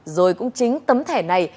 rồi cũng chính tấm thẻ này